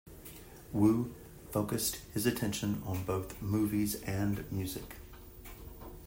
Wu focused his attention on both movies and music.